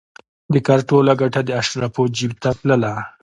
د کار ټوله ګټه د اشرافو جېب ته تلله.